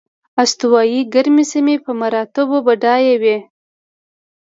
استوایي ګرمې سیمې په مراتبو بډایه وې.